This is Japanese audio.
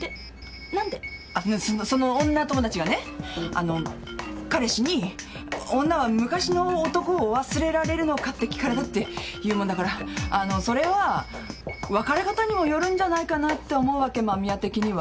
あの彼氏に「女は昔の男を忘れられるのか？」って聞かれたって言うもんだからあのそれは別れ方にもよるんじゃないかなあって思うわけ間宮的には。